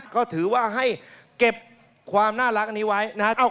ก็ถือว่าให้เก็บความน่ารักอันนี้ไว้นะครับ